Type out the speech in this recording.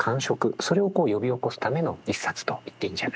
それをこう呼び起こすための一冊と言っていいんじゃないでしょうか。